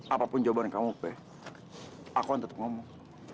apapun jawaban kamu peh aku tetep ngomong